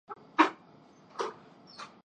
وہ اگر اپنے علاوہ کسی کی بہادری کا ذکر کرتے ہیں۔